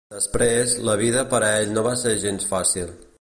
Després, la vida per a ell no va ser gens fàcil.